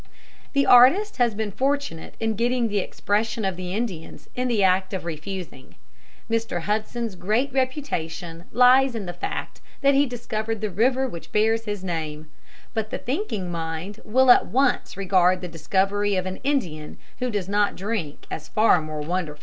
The artist has been fortunate in getting the expression of the Indians in the act of refusing. Mr. Hudson's great reputation lies in the fact that he discovered the river which bears his name; but the thinking mind will at once regard the discovery of an Indian who does not drink as far more wonderful.